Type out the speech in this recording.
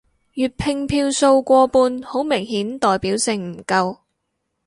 粵拼票數過半好明顯代表性唔夠